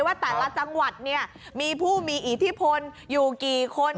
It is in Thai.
ว่าแต่ละจังหวัดเนี่ยมีผู้มีอิทธิพลอยู่กี่คน